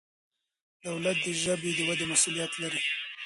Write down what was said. دولت د ژبې د ودې مسؤلیت لري.